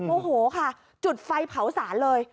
โอ้โหค่ะจุดไฟเผาศาลเลย